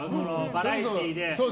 バラエティーで。